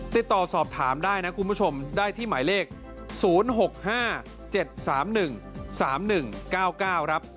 ติดต่อสอบถามได้นะคุณผู้ชมได้ที่หมายเลข๐๖๕๗๓๑๓๑๙๙ครับ